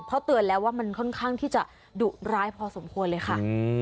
เพราะเตือนแล้วว่ามันค่อนข้างที่จะดุร้ายพอสมควรเลยค่ะ